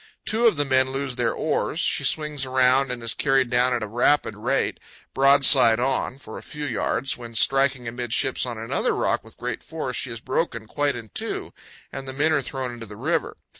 Two of the men lose their oars; she swings around and is carried down at a rapid rate, broadside on, for a few yards, when, striking amidships on another rock with great force, she is broken quite in two and the men are thrown into the river.